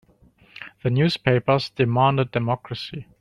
The newspapers demanded democracy.